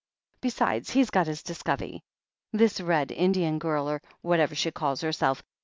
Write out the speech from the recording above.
Besides, he's got his discovery — ^this Red Indian girl, or whatever she calls herself.